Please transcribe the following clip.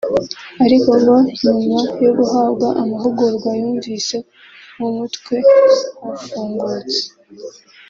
ariko ngo nyuma yo guhabwa amahugurwa yumvise mu mutwe hafungutse